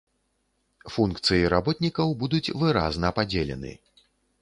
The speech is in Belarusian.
Функцыі работнікаў будуць выразна падзелены.